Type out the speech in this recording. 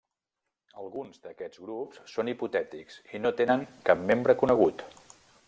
Alguns d'aquests grups són hipotètics i no tenen cap membre conegut.